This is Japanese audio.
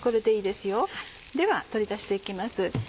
では取り出して行きます。